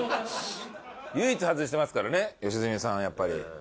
唯一外してますからね良純さんはやっぱり。